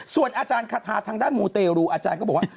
ส่วนอาจารย์คาทาทางด้านมูเตรูอาจารย์ก็บอกว่า